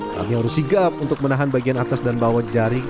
kami harus sigap untuk menahan bagian atas dan bawah jari